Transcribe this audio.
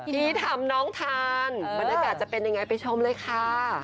ที่ทำน้องทานบรรยากาศจะเป็นยังไงไปชมเลยค่ะ